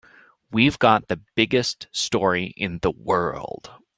We've got the biggest story in the world.